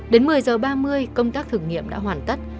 đến một mươi h ba mươi công tác thử nghiệm đã hoàn tất